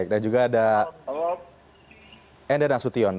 dan juga ada enda nasution